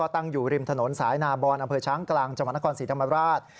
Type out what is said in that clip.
ตั้งอยู่ริมถนนสายนาบอนอเภิร์ช้างกลางจังหวันนคร๔ธรรมดาตร